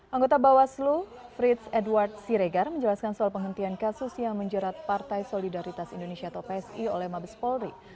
anggota bawaslu frits edward siregar menjelaskan soal penghentian kasus yang menjerat partai solidaritas indonesia atau psi oleh mabes polri